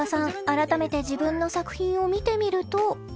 あらためて自分の作品を見てみると］